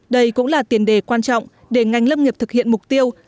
đây cũng là tiền đề quan trọng để ngành lâm nghiệp thực hiện mục tiêu